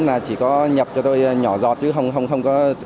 là chỉ có nhập cho tôi nhỏ giọt chứ không có